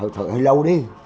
thở lâu đi